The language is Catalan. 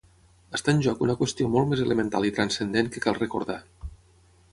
Està en joc una qüestió molt més elemental i transcendent que cal recordar.